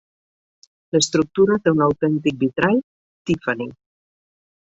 L'estructura té un autèntic vitrall Tiffany.